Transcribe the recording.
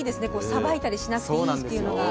さばいたりしなくていいっていうのが。